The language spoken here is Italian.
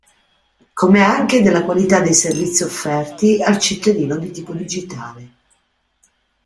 Come anche della qualità dei servizi offerti al cittadino di tipo digitale.